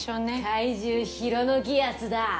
怪獣ヒロノギアスだ！